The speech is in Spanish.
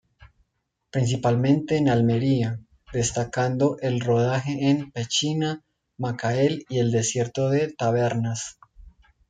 Principalmente en Almería, destacando el rodaje en Pechina, Macael y el desierto de Tabernas.